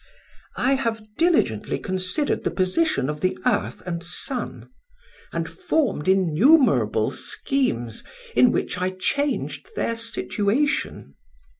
"'I have diligently considered the position of the earth and sun, and formed innumerable schemes, in which I changed their situation.